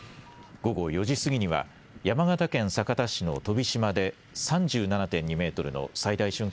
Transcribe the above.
午後４時過ぎには山形県酒田市の飛島で３７．２メートルの最大瞬間